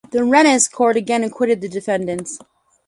The Rennes court again acquitted the defendants.